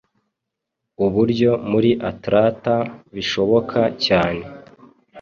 uburyo muri Atlata bishoboka cyane